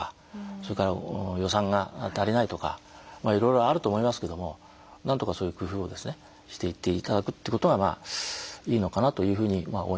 それから予算が足りないとかいろいろあると思いますけどもなんとかそういう工夫をですねしていって頂くってことがいいのかなというふうに思います。